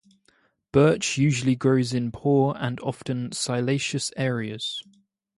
Birch usually grows in poor and often siliceous areas.